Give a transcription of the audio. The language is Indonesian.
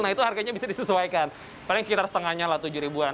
nah itu harganya bisa disesuaikan paling sekitar setengahnya lah tujuh ribuan